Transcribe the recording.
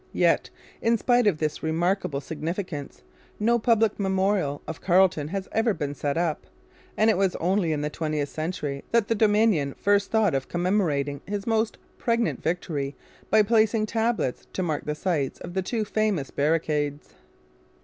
Yet, in spite of this remarkable significance, no public memorial of Carleton has ever been set up; and it was only in the twentieth century that the Dominion first thought of commemorating his most pregnant victory by placing tablets to mark the sites of the two famous barricades.